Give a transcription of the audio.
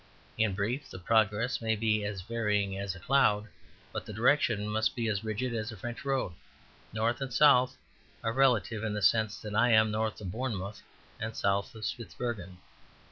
In brief, the progress may be as varying as a cloud, but the direction must be as rigid as a French road. North and South are relative in the sense that I am North of Bournemouth and South of Spitzbergen.